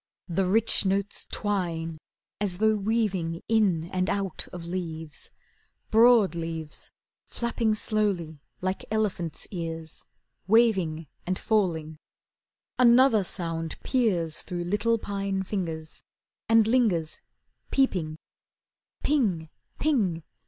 The rich notes twine As though weaving in and out of leaves, Broad leaves Flapping slowly like elephants' ears, Waving and falling. Another sound peers Through little pine fingers, And lingers, peeping. Ping!